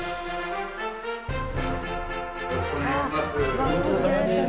よろしくお願いします。